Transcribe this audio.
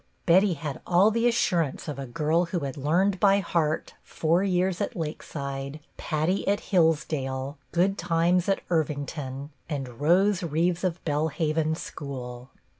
Betty had all the assurance of a girl who had learned by heart " Four Years at Lakeside," " Patty at Hillsdale," " Good Times at Irving ton," and " Rose Reeves of Belle Haven School."